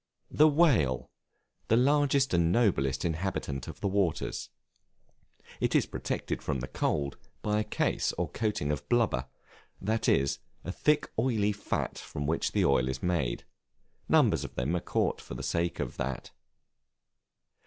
The Whale, the largest and noblest inhabitant of the waters. It is protected from the cold by a case or coating of blubber, that is, a thick oily fat from which the oil is made; numbers of them are caught for the sake of that.